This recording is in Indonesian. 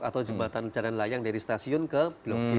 atau jembatan jalan layang dari stasiun ke blok g